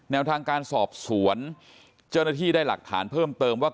แนวทางการสอบสวนเจ้าหน้าที่ได้หลักฐานเพิ่มเติมว่า